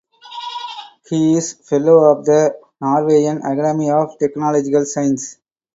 He is a fellow of the Norwegian Academy of Technological Sciences.